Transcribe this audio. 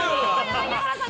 柳原さん！